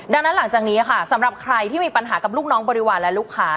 ดังนั้นหลังจากนี้ค่ะสำหรับใครที่มีปัญหากับลูกน้องบริวารและลูกค้า